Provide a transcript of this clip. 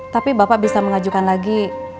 tapi bapak bisa mengajukan lagi